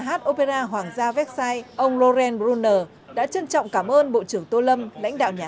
hát opera hoàng gia vexai ông loren brunner đã trân trọng cảm ơn bộ trưởng tô lâm lãnh đạo nhà